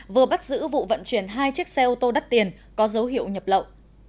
vừa bắt giữ vụ vận chuyển hai chiếc xe ô tô đắt tiền có dấu hiệu nhập lậu